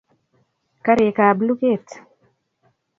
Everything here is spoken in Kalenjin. Karik ab luket